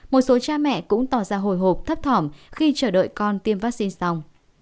một số cha mẹ cũng tỏ ra hồi hộp thấp thỏm khi chờ đợi con tiêm vaccine xong